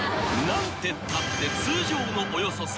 ［何てったって通常の］